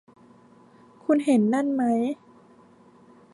คุณเห็นนั่นไหม